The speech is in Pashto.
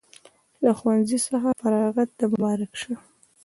له ښوونځي څخه فراغت د مبارک شه